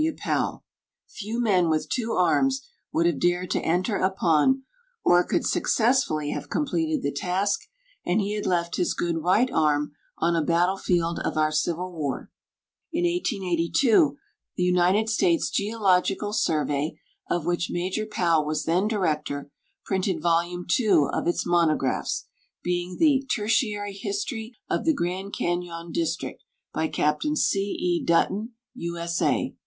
W. Powell. Few men with two arms would have dared to enter upon, or could successfully have completed the task, and he had left his good right arm on a battle field of our civil war. In 1882, the United States Geological Survey, of which Maj. Powell was then director, printed Vol. II of its Monographs, being the "Tertiary History of the Grand Cañon District, by Capt. C. E. Dutton, U.S.A.